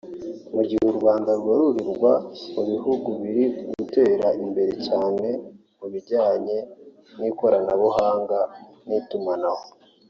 Mu gihe u Rwanda rubarurirwa mu bihugu biri gutera imbere cyane mu bijyanye n’ikoranabuhanga n’itumanaho